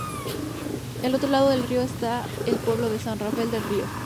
Al otro lado del río está el pueblo de San Rafael del Río.